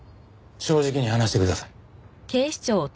正直に話してください。